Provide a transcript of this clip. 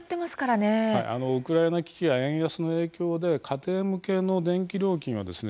ウクライナ危機や円安の影響で家庭向けの電気料金はですね